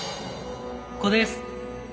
ここです。